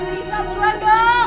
risa buruan dong